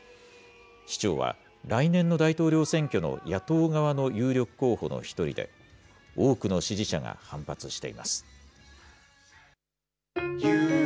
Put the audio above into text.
市長は、来年の大統領選挙の野党側の有力候補の１人で、多くの支持者が反発しています。